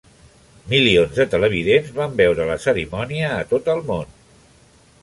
Milions de televidents van veure la cerimònia a tot el món.